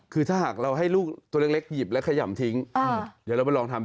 คือถ้าหากเราให้ลูกตัวเล็กหยิบและขยำทิ้งเดี๋ยวเราไปลองทำ